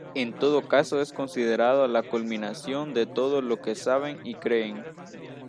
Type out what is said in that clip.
En todo caso es considerado la culminación de todo lo que saben y creen.